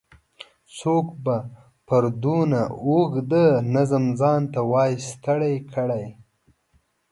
څوک به پر دونه اوږده نظم ځان نه وای ستړی کړی.